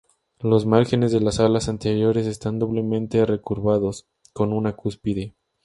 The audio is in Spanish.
Los márgenes de las alas anteriores están doblemente recurvados, con una cúspide.